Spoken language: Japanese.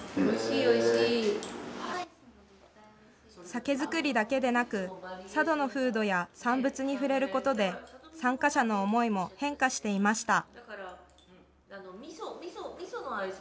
酒造りだけでなく、佐渡の風土や、産物に触れることで、参加者の思いも変化していました。